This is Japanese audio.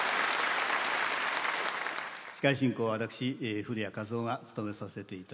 司会進行は私古屋和雄が務めさせていただきます。